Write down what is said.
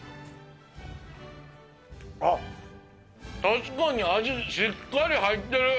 あっ、確かに味、しっかり入ってる！